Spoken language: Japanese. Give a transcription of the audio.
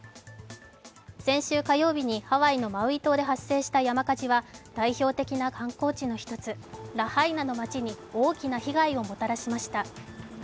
先週火曜日にハワイのマウイ島で発生した山火事は、代表的な観光地の一つラハイナの町に大きな被害をもたらしました。